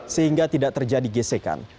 sehingga tidak terjadi gesekan